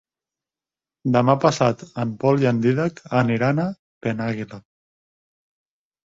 Demà passat en Pol i en Dídac aniran a Penàguila.